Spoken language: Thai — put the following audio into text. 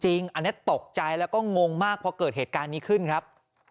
อันนี้ตกใจแล้วก็งงมากพอเกิดเหตุการณ์นี้ขึ้นครับ